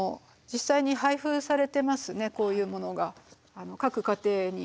実際に配布されてますねこういうものが各家庭に。